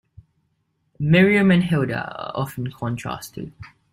Miriam and Hilda are often contrasted.